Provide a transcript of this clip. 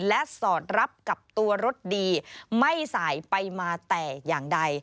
และสอดรับกับตัวรถดีไม่สายไปมาแต่อย่างใด